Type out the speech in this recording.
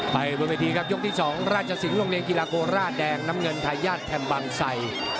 บนเวทีครับยกที่๒ราชสิงห์โรงเรียนกีฬาโคราชแดงน้ำเงินทายาทแทมบังไส